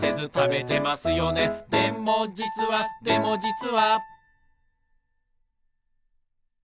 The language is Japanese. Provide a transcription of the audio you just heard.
「でもじつはでもじつは」